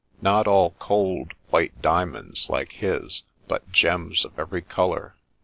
Not all cold, white diamonds, like his, but gems of every colour.